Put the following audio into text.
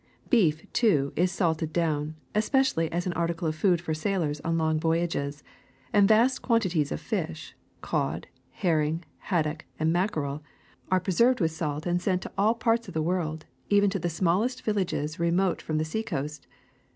Beef, too, is salted do^\^l, especially as an article of food for sailors on long voyages ; and vast quantities of fish — cod, herring, haddock, and mackerel — are pre served with salt and sent to all parts of the world, even to the smallest villages remote from the sea coast.